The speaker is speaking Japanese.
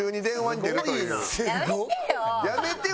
やめてよ！